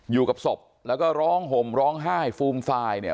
อยู่กับศพแล้วก็ร้องห่มร้องไห้ฟูมฟายเนี่ย